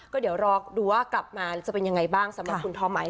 ก็เดี๋ยวรอดูว่ากลับมาจะเป็นยังไงบ้างสำหรับคุณท้อไหม